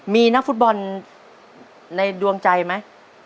มีนักฟุตบอลในดวงใจไหม